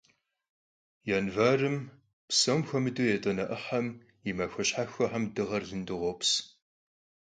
Yanvarım, psom xuemıdeu yêt'uane 'ıhem, yi maxue şhexuexem dığer lıdu khops.